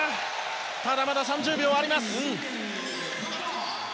ただ、まだ３０秒あります。